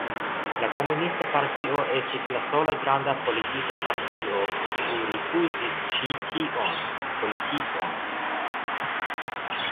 La komunista partio estis la sola granda politika partio, kiu rifuzis ĉi tion politikon.